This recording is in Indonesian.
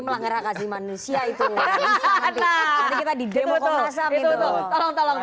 nanti kita di demo komrasam gitu